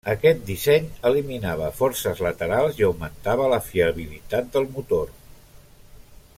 Aquest disseny eliminava forces laterals i augmentava la fiabilitat del motor.